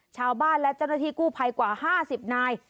ชาวบ้านและเจ้าหน้าที่กู้ภัยกว่า๕๐นาย